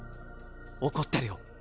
怒ってるよ。